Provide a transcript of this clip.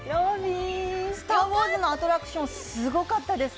「スター・ウォーズ」のアトラクションすごかったです。